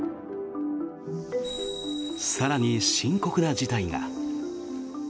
更に、深刻な事態が。